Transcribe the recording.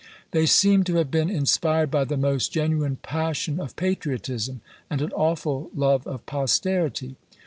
They seem to have been inspired by the most genuine passion of patriotism, and an awful love of posterity.